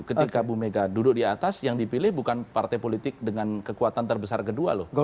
ketika bu mega duduk di atas yang dipilih bukan partai politik dengan kekuatan terbesar kedua loh